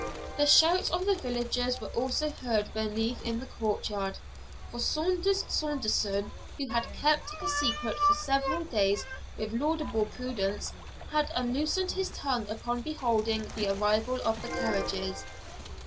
The shouts of the villagers were also heard beneath in the court yard; for Saunders Saunderson, who had kept the secret for several days with laudable prudence, had unloosed his tongue upon beholding the arrival of the carriages.